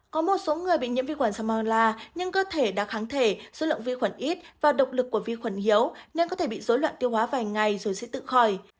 có một số người bị nhiễm vi quản salmonella nhưng cơ thể đã kháng thể số lượng vi quản ít và độc lực của vi quản yếu nên có thể bị dối loạn tiêu hóa vài ngày rồi sẽ tự khỏi